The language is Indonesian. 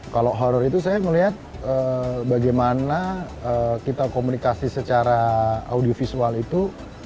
kalau horror itu saya melihat bagaimana kita komunikasi secara audiovisual itu